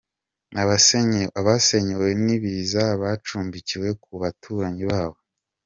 Abasenyewe n’ibiza bacumbikiwe ku baturanyi babo.